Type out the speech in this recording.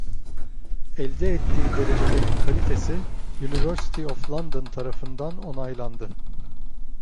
Elde ettiği derecelerin kalitesi, University of London tarafından onaylandı.